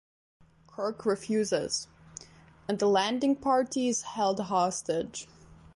Kirk refuses, and the landing party is held hostage.